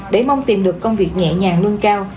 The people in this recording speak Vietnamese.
để mong tìm được công việc nhẹ nhàng lương cao